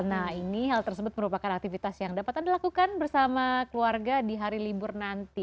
nah ini hal tersebut merupakan aktivitas yang dapat anda lakukan bersama keluarga di hari libur nanti